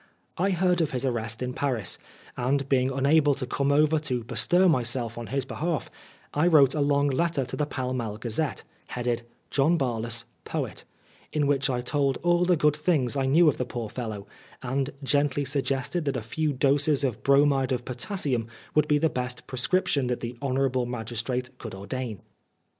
I heard of his arrest in Paris, and being unable to come over to bestir myself on his behalf, I wrote a long letter to the Pall Mall Gazette, headed " John Barlas, Poet," in which I told all the good things I knew of the poor fellow, and gently suggested that a few doses of bromide of potassium would be the best prescription that the honourable magistrate could ordain.